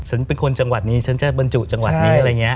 ฉันเป็นคนจังหวัดนี้ฉันจะบรรจุจังหวัดนี้อะไรอย่างนี้